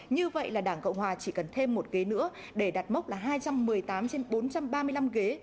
như vậy là đảng cộng hòa chỉ cần thêm một ghế nữa để đạt mốc là hai trăm một mươi tám trên bốn trăm ba mươi năm ghế